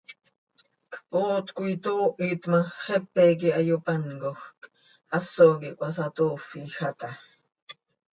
Cpoot coi toohit ma, xepe iiqui hayopáncojc, haso quih cöhasatoofija taa.